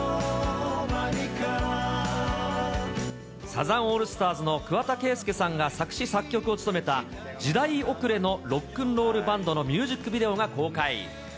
サザンオールスターズの桑田佳祐さんが作詞作曲を務めた、時代遅れのロックンロールバンドのミュージックビデオが公開。